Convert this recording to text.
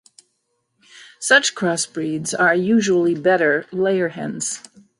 Such crossbreeds are usually better layer hens.